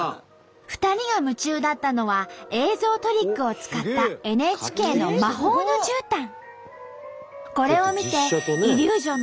２人が夢中だったのは映像トリックを使ったＮＨＫの「魔法のじゅうたん」。